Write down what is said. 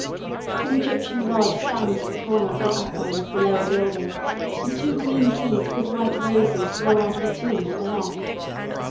An Egyptian god stands at the corner of the upper and the lower building, and two green trees with white roses grow out of a tomb at the left.